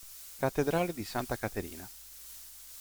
Cattedrale di Santa Caterina